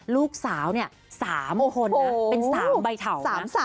ลูกสาวเนี่ย๓มหลเป็น๓ใบเฉา